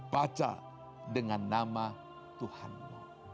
baca dengan nama tuhanmu